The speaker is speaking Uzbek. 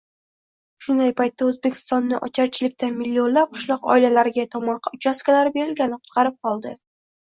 Shunday paytda O‘zbekistonni ocharchilikdan millionlab qishloq oilalariga tomorqa uchastkalari berilgani qutqarib qoldi